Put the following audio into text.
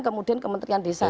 kemudian kementerian desa